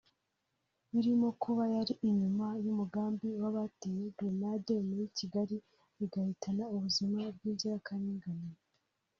birimo kuba yari inyuma y’umugambi w’abateye grenade muri Kigali zigahitana ubuzima bw’inzirakarengane